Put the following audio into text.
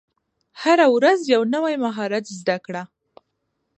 هره ورځ یو نوی مهارت زده کړه.